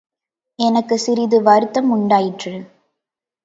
எனக்குச் சிறிது வருத்தம் உண்டாயிற்று.